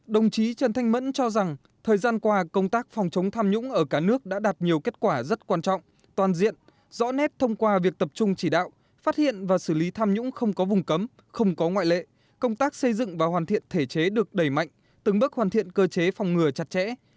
đồng chí trần thanh mẫn cho rằng thời gian qua công tác phòng chống tham nhũng ở cả nước đã đạt nhiều kết quả rất quan trọng toàn diện rõ nét thông qua việc tập trung chỉ đạo phát hiện và xử lý tham nhũng không có vùng cấm không có ngoại lệ công tác xây dựng và hoàn thiện thể chế được đẩy mạnh từng bước hoàn thiện cơ chế phòng ngừa chặt chẽ